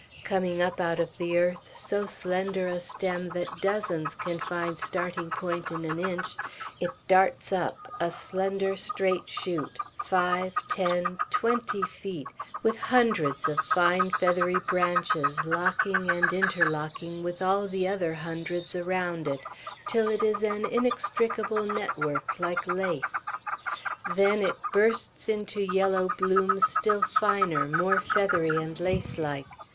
Coming up out of the earth, so slender a stem that dozens can find starting point in an inch, it darts up, a slender straight shoot, five, ten, twenty feet, with hundreds of fine feathery branches locking and interlocking with all the other hundreds around it, till it is an inextricable network like lace. Then it bursts into yellow bloom still finer, more feathery and lacelike.